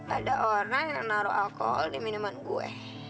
ada orang yang naruh alkohol di minuman gue